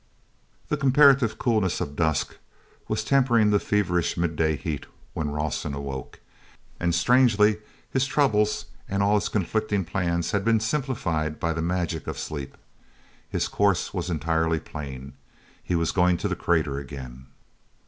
he comparative coolness of dusk was tempering the feverish midday heat when Rawson awoke. And, strangely, his troubles and all his conflicting plans had been simplified by the magic of sleep. His course was entirely plain. He was going to the crater again.